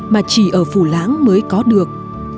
mà chỉ ở phủ lãng mới có được